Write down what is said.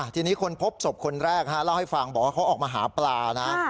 ทีนี้คนพบศพคนแรกเล่าให้ฟังบอกว่าเขาออกมาหาปลานะ